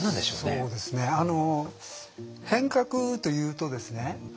そうですね変革というとですね